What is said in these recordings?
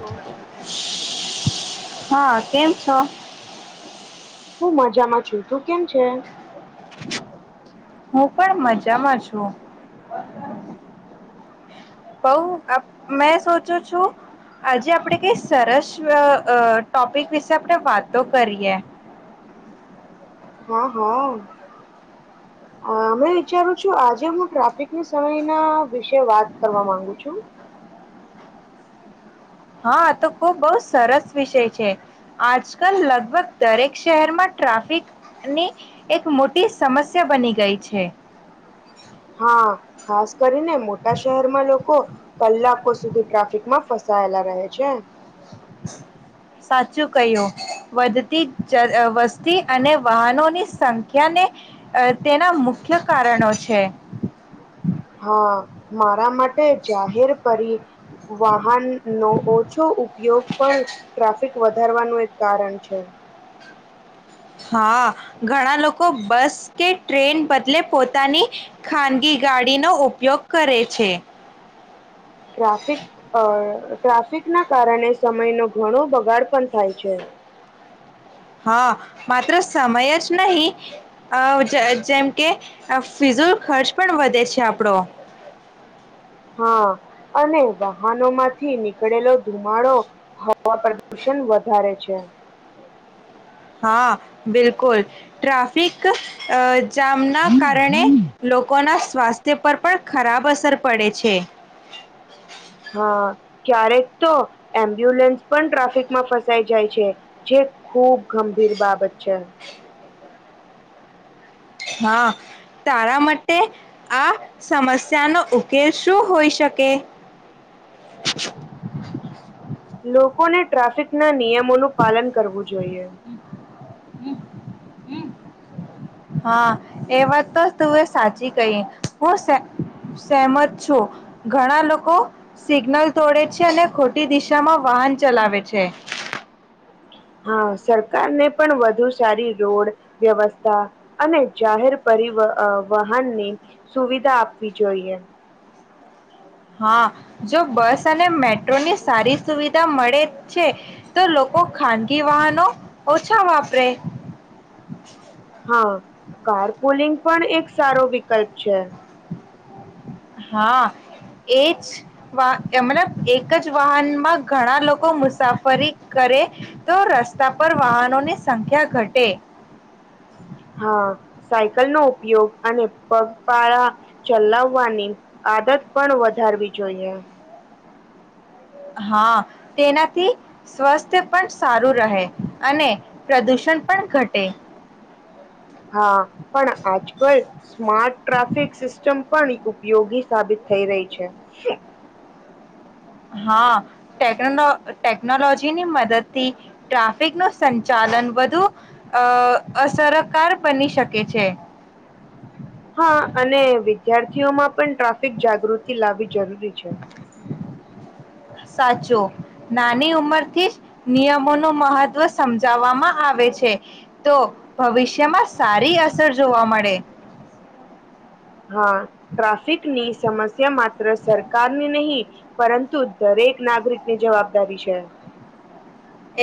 હું હા કેમ છો હું મજામાં છું તું કેમ છે, હું પણ મજામાં છું બઉ મેં સોચું છું આજે આપણે કઈ સરસ ટોપિક વિશે આપણે વાતો કરીએ હા હા [unintelligible] હમે વિચારું છું આજે હું ટ્રાફિકની સમયના વિશે વાત કરવા માંગુ છું હા તો ખુબ બહુ સરસ વિષય છે આજકાલ લગભગ દરેક શહેરમાં ટ્રાફિકની એક મોટી સમસ્યા બની ગઈ છે, હા ખાસ કરીને મોટા શહેરમાં લોકો કલાકો સુધી ટ્રાફિકમાં ફસાયેલા રહે છે, [unintelligible] સાચું કહ્યું વધતી વસ્તી અને વાહનોની સંખ્યા ને અ તેના મુખ્ય કારણો છે, હા મારા માટે જાહેર કરી વાહન નો ઓછો ઉપયોગ પણ ટ્રાફિક વધારવાનું એક કારણ છે, હા ઘણા લોકો બસ કે ટ્રેન બદલે પોતાની ખાનગી ગાડીનોઉપયોગ કરે છે, ટ્રાફિક અ ટ્રાફિક ના કારણે સમય નો ઘણો બગાડ પણ થાય છે, હા માત્ર સમય જ નહી અ જેમ કે ફીઝો ખર્ચ પણ વધે છે, આપડો હા અને વાહનો માંથી નીકળેલો ધુમાડો હવા પ્રદુષણ વધારે છે, હા બિલકુલ ટ્રાફિક અ જામના કારણે લોકો ના સ્વાસ્થ્ય પર પણ ખરાબ અસર પડે છે, હા ક્યારેક તો એમ્બ્યુલન્સ પણ ટ્રાફિકમાં ફસાઈ જાય છે, જે ખુબ ગંભીર બાબત છે, [unintelligible] તારા માટે આ સમસ્યાનોઉકેલ શું હોઈ શકે [unintelligible] [unintelligible] લોકોને ટ્રાફિક ના નિયમોનું પાલન કરવું જોઈએ [unintelligible] હા એ વાત તો તું એ સાચી કહી હું સહેમત છો ઘણા લોકો સિગ્નલ તોડે છે અને ખ મો દિશામાં વાહન ચલાવે છે, હા સરકાર ને પણ વધુ સારી રોડ વ્યવસ્થા અને જાહેર પર વાહનની સુવિધા આપવી જોઈએ હા જો બસ અને મેટ્રોની સારી સુવિધા મળે છે, તો લોકો ખાનગી વાહનો ઓછા વાપરે હા કાર પુલિંગ પણ એક સારો વિકલ્પ છે, હા એજ વા મલ એક જ વાહનમાં ઘણા લોકો મુસાફરી કરે તો રસ્તા પર વાહનોની સંખ્યા ઘટે હા સાયકલ નો ઉપયોગ અને પગપાળા ચલાવવાની આદત પણ વધારવી જોઈએ હા તેનાથી સ્વાસ્થ્ય પણ સારું રહે અને પ્રદૂષણ પણ ઘટે. હા પણ આજકલ સ્માર્ટ ટ્રાફિક સિસ્ટમ પણ ઉપયોગી સાબિત થઈ રહી છે. હા ટેકનોલોજીની મદદ થી ટ્રાફિક નું સંચાલન વધુ અસરકાર બની શકે છે. હા અને વિદ્યાર્થીઓમાં પણ ટ્રાફિક જાગૃતિ લાવવી જરૂરી છે. સાચો નાની ઉંમર થી જ નિયમોનું મહત્વ સમજાવવામાં આવે છે. તો ભવિષ્યમાં સારી અસર જોવા મળે. હા ટ્રાફિકની સમસ્યા માત્ર સરકારની નહી પરંતુ દરેક નાગરિકની જવાબદારી છે.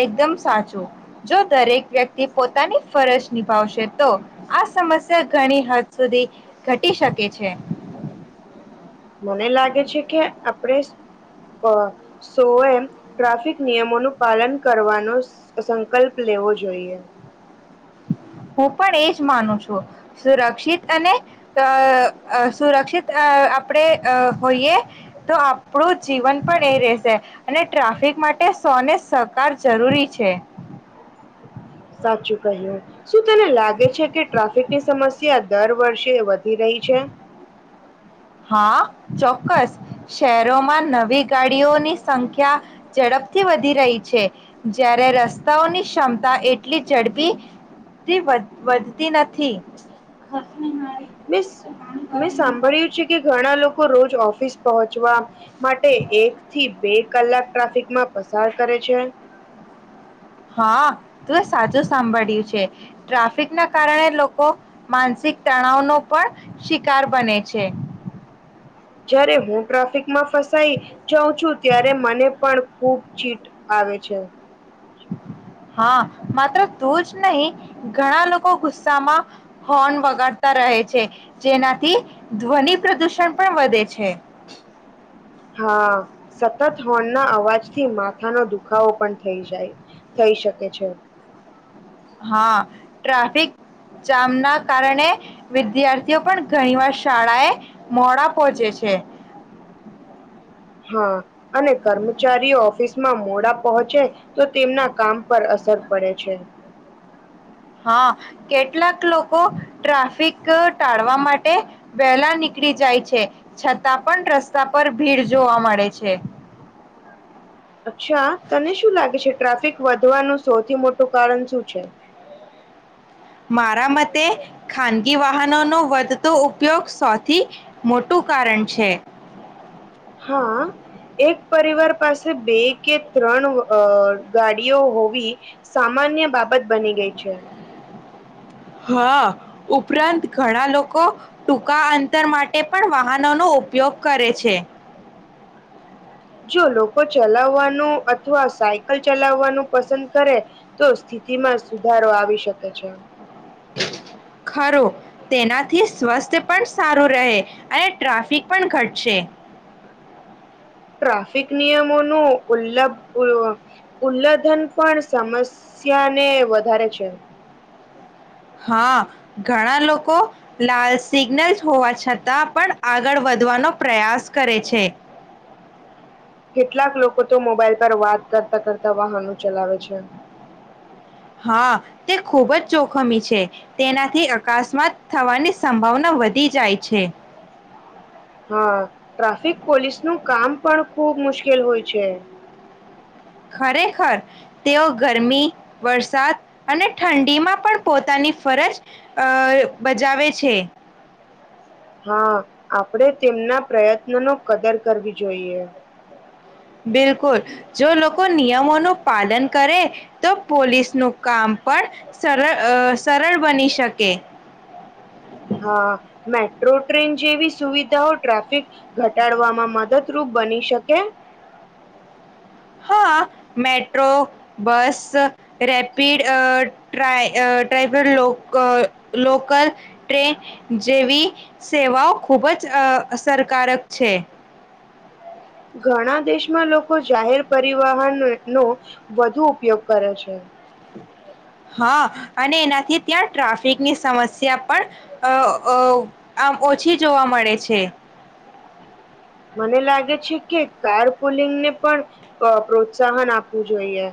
એકદમ સાચું જો દરેક વ્યક્તિ પોતાની ફરજ નિભાવશે તો આ સમસ્યા ઘણી હદ સુધી ઘટી શકે છે. મને લાગે છે કે આપણે સૈએ ટ્રાફિક નિયમોનું પાલન કરવાનું તો સંકલ્પ લેવો જોઈએ. હું પણ એજ માનું છું સુરક્ષિત અને તા આ સુરક્ષિત આ આપણે આ હોઈએ તો આપણું જીવન પણ એ રહેશે અને ટ્રાફિક માટે સૈને સહકાર જરૂરી છે. સાચું કહ્યું શું તને લાગે છે કે ટ્રાફિક કા ની સમસ્યા દર વર્ષે વધી રહી છે? હા ચોક્કસ શહેરોમાં નવી ગાડીઓની સંખ્યા ઝડપથી વધી રહી છે જયારે રસ્તાઓની ક્ષમતા એટલી ઝડપી થી વા વધતી નથી. મેં મે સાંભળ્યું છે કે ઘણા લોકો રોજ ઓફિસ પહોંચવા માટે એક થી બે કલાક ટ્રાફિકમાં પસાર કરે છે. હા તું એ સાચું સાંભળ્યું છે. ટ્રાફિક ના કારણે લોકો માનસિક તણાવ નો પણ શિકાર બને છે. [inaudible] જય્યારે હું ટ્રાફિકમાં ફસાઈ જાઉં છું ત્યારે મને પણ ખૂબ ચીટ આવે છે. હા માત્ર તું જ નહીં ઘણા લોકો ગુસ્સામાં હોર્ન વગાડતા રહે છે જેનાથી ધ્વનિ પ્રદૂષણ પણ વધે છે. હા સતત હોર્નના અવાજથી માથાનો દુખાવો પણ થઈ જાય. થઈ શકે છે. હા ટ્રાફિક જામ ના કારણે વિદ્યાર્થીઓ પણ ઘણી વાર શાળા એ મોડા પહોંચે છે. હા અને કર્મચારીઓ ઓફિસમાં મોડા પહોંચે તો તેમના કામ પર અસર પડે છે. હા કેટલાક લોકો ટ્રાફિક ટાળવા માટે વહેલા નીકળી જાય છે છતાં પણ રસ્તા પર ભીડ જોવા મળે છે. અચ્છા તને શું લાગે છે ટ્રાફિક વધવાનું સૌથી મોટું કારણ શું છે? મારા મતે ખાનગી વાહનો નો વધતો ઉપયોગ સૌથી મોટું કારણ છે. હા. એક પરિવાર પાસે બે કે ત્રણ આ ગાડીઓ હોવી સામાન્ય બાબત બની ગઈ છે. હા ઉપરાંત ઘણા લોકો ટૂંકા અંતર માટે પણ વાહનો નો ઉપયોગ કરે છે. જો લોકો ચલાવવાનું અથવા સાયકલ ચલાવવાનું પસંદ કરે તો સ્થિતિ માં સુધારો આવી શકે છે. ખરું. તેનાથી સ્વસ્થ પણ સારું રહે અને ટ્રાફિક પણ ઘટશે. ટ્રાફિક નિયમો નું ઉલ્લભ [unintelligible] ઉલ્લઘન પણ સમસ્યાને વધારે છે. હા ઘણા લોકો લાલ સિગ્નલ્સ હોવા છતાં પણ આગળ વધવાનો પ્રયાસ કરે છે. કેટલાક લોકો તો મોબાઈલ પર વાત કરતા કરતા વાહનો ચલાવે છે. હા તે ખૂબ જ જોખમી છે. તેનાથી અકસ્માત થવાની સંભાવના વધી જાય છે. હા ટ્રાફિક પોલીસ નું કામ પણ ખુબ મુશ્કેલ હોય છે. ખરેખર તેઓ ગરમી વરસાદ અને ઠંડી માં પણ પોતાની ફરજ અ બજાવે છે. હા આપડે તેમના પ્રયત્ન નો કદર કરવી જોઈએ બિલકુલ જો લોકો નિયમો નું પાલન કરે તો પોલીસ નું કામ પણ સરળ સરળ બની શકે હા મેટ્રો ટ્રેન જેવી સુવિધાઓ ટ્રાફિક ઘટાડવામાં મદદરૂપ બની શકે હા મેટ્રો બસ રેપિડ ટ ટ્રક લોકલ ટ્રેન જેવી સેવાઓ ખૂબ જ અસરકારક છે ઘણા દેશમાં લોકો જાહેર પરિવહન નો વધુ ઉપયોગ કરે છે હા અને એનાથી ત્યાં ટ્રાફિકની સમસ્યા પણ અ આમ ઓછી જોવા મળે છે મને લાગે છે કે કાર કુલિંગને પણ પ્રોત્સાહન આપવું જોઈએ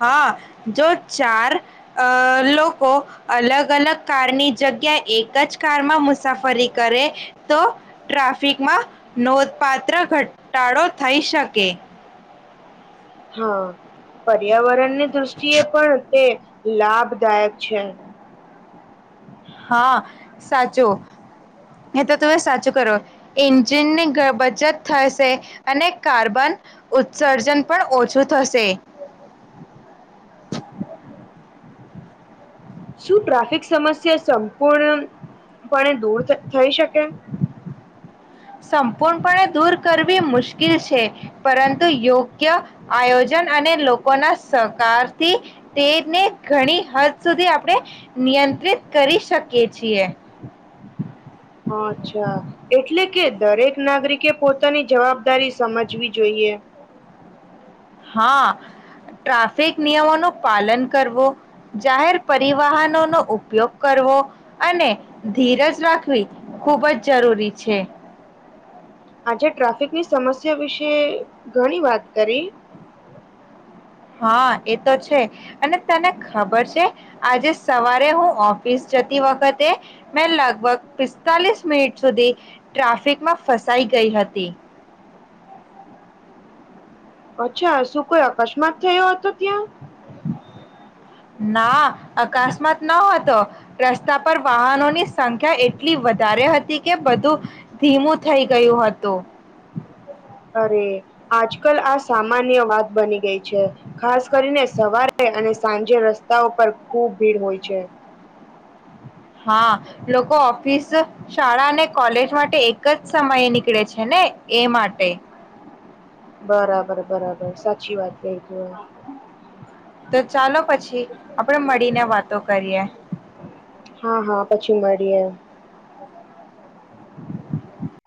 હા જો ચાર અ લોકો અલગ અલગ કારની જગ્યા એક જ કારમાં મુસાફરી કરે તો ટ્રાફિકમાં નોંધપાત્ર ઘટાડો થઈ શકે હા પર્યાવરણની દૃષ્ટિએ પણ તે લાભદાયક છે હા સાચું એ તો તુમે સાચું કરો એન્જિનની બચત થશે અને કાર્બન ઉત્સર્જન પણ ઓછું થશે શું ટ્રાફિક સમસ્યા સંપૂર્ણપણે દૂર થઈ શકે સંપૂર્ણપણે દૂર કરવી મુશ્કેલ છે પરંતુ યોગ્ય આયોજન અને લોકોના સહકારથી તેને ઘણી હદ સુધી આપણે નિયંત્રિત કરી શકીએ છીએ [inaudible] હ અચ્છા એટલે કે દરેક નાગરિકે પોતાની જવાબદારી સમજવી જોઈએ હા ટ્રાફિક નિયમો ન પાલન કરવું જાહેર પરિવહનો નો ઉપયોગ કરવો અને ધીરજ રાખવી ખુબ જ જરૂરી છે આજે ટ્રાફિકની સમસ્યા વિશે ઘણી વાત કરી હા એ તો છે અને તને ખબર છે આજે સવારે હું ઓફિસ જતી વખતે મેં લગભગ પિસ્તાલીસ મિનિટ સુધી ટ્રાફિકમાં ફસાઈ ગઈ હતી. [inaudible] અચ્છા શું કોઈ અકસ્માત થયો હતો ત્યાં ના અકસ્માત ન હતો રસ્તા પર વાહનોની સંખ્યા એ એટલી વધારે હતી કે બધું ધીમું થઈ ગયું હતું. અરે આજ કલ આ સામાન્ય વાત બની ગઈ છે. ખાસ કરીને સવારે અને સાંજે રસ્તાઓ પર ખુબ ભીડ હોય છે. હા લોકો ઓફિસ શાળા અને કોલેજ માટે એક જ સમયે નીકળે છે ને એ માટે બરાબર બરાબર સાચી વાત લઈ તું હ તો ચાલો પછી આપડે મળીને વાતો કરીએ. હા હા પછી મળીએમ હ [inaudible]